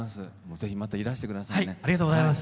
ぜひ、またいらしてくださいね。